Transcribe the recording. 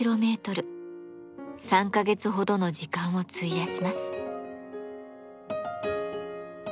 ３か月ほどの時間を費やします。